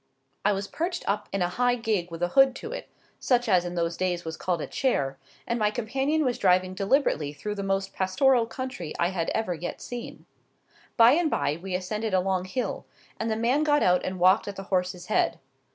I was perched up in a high gig with a hood to it, such as in those days was called a chair, and my companion was driving deliberately through the most pastoral country I had ever yet seen. By and by we ascended a long hill, and the man got out and walked at the horse's head.